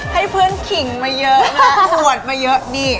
ให้เพื่อนขิงมาเยอะนะอวดมาเยอะนี่